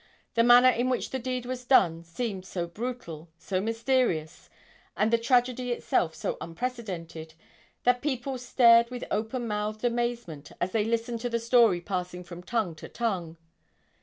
The manner in which the deed was done seemed so brutal, so mysterious, and the tragedy itself so unprecedented that people stared with open mouthed amazement as they listened to the story passing from tongue to tongue.